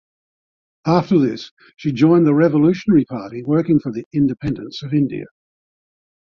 After this she joined the revolutionary party working for the independence of India.